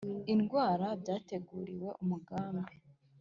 Indwara byateguriwe umugambi